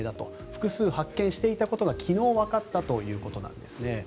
複数発見していたことが昨日わかったということです。